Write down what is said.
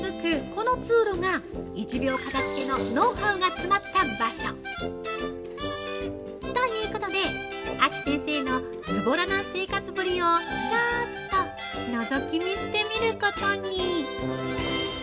この通路が１秒片づけのノウハウが詰まった場所。ということで、ａｋｉ先生のずぼらな生活ぶりをちょっとのぞき見してみることに。